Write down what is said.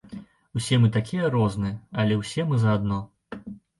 Усе мы такія розныя, але ўсе мы заадно.